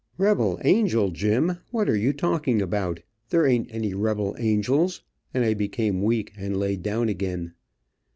"Rebel angel, Jim; what are you talking about? There ain't any rebel angels," and I became weak and laid down again.